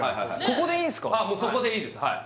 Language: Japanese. ここでいいんすかもうそこでいいですはい